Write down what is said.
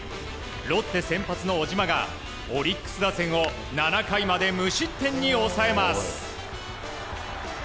ロッテ先発の小島がオリックス打線を７回まで無失点に抑えます。